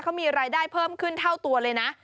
เขามีรายได้เพิ่มขึ้นเท่าตัวเลยนะ